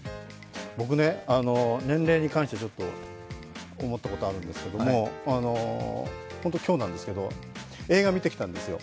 僕、年齢に関してちょっと思ったことがあるんですけどホント今日なんですけど、映画見てきたんですよ。